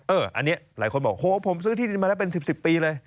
อันนี้หลายคนบอกโหผมซื้อที่ดินมาแล้วเป็น๑๐ปีเลย